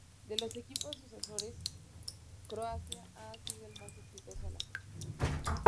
De los equipos sucesores, Croacia ha sido el más exitoso a la fecha.